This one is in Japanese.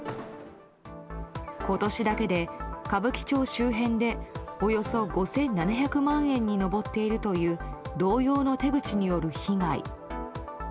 今年だけで歌舞伎町周辺でおよそ５７００万円に上っているという同様の手口による被害。